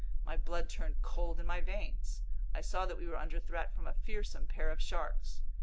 My blood turned cold in my veins! I saw that we were under threat from a fearsome pair of sharks.